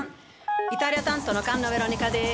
イタリア担当の菅野ヴェロニカです。